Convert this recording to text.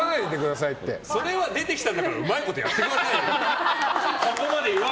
それは出てきたんだからうまいことやってくださいよ！